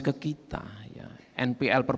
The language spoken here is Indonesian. ke kita npl per